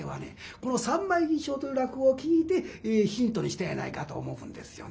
この「三枚起請」という落語を聴いてヒントにしたんやないかと思うんですよね。